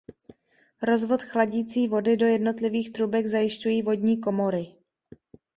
Rozvod chladicí vody do jednotlivých trubek zajišťují vodní komory.